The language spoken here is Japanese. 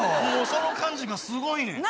その感じがすごいねん。